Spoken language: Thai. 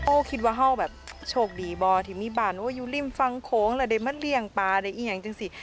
โอ้คิดว่าเฮ้าแบบโชคดีบ่าที่มีบ้านโอ้อยู่ริ่มฟังโขงและได้มาเลี่ยงปลาได้อีกอย่างจังสิ